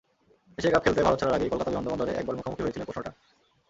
Asia cup খেলতে ভারত ছাড়ার আগেই কলকাতা বিমানবন্দরে একবার মুখোমুখি হয়েছিলেন প্রশ্নটার।